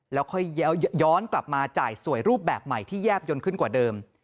แล้วค่อยย้อนกลับมาจ่ายสวยรูปแบบใหม่ที่แยบยนต์ขึ้นกว่าเดิม